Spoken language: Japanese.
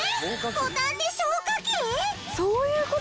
ボタンに消火器！？